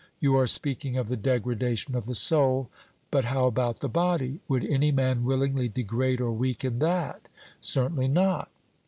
You are speaking of the degradation of the soul: but how about the body? Would any man willingly degrade or weaken that? 'Certainly not.'